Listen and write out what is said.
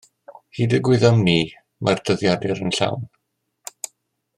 Hyd y gwyddom ni mae'r dyddiadur yn llawn